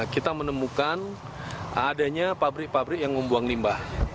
kita menemukan adanya pabrik pabrik yang membuang limbah